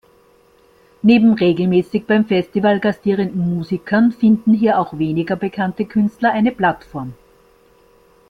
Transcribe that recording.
Neben regelmäßig beim Festival gastierenden Musikern finden hier auch weniger bekannte Künstler eine Plattform.